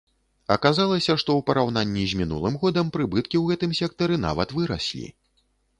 Аказалася, што ў параўнанні з мінулым годам прыбыткі ў гэтым сектары нават выраслі.